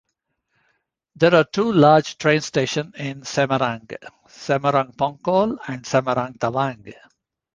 There are two large train stations in Semarang: Semarang Poncol and Semarang Tawang.